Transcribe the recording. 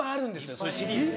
そういうシリーズが。